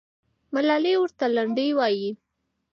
ملالۍ ورته لنډۍ وایي.